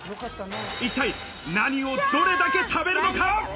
一体何をどれだけ食べるのか？